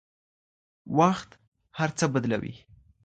وخت هر څه بدلوي